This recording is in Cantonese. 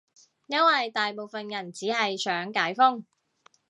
因爲大部分人只係想解封